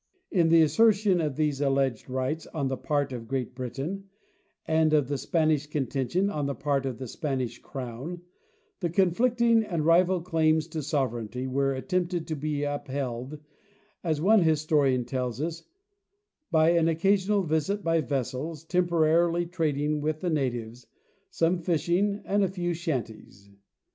In the assertion of these alleged rights on the part of Great Britain and of the Spanish contention on the part of the Spanish crown, the conflicting and rival claims to sovereignty were attempted to be upheld, as one historian tells us, "by an occa sional visit by vessels, temporarily trading with the natives, some fishing, and a few shanties."